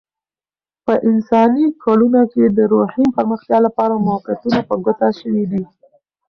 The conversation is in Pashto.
په انساني کلونه کې، د روحي پرمختیا لپاره موقعیتونه په ګوته شوي دي.